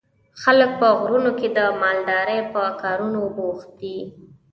خلک په غرونو کې د مالدارۍ په کارونو بوخت دي.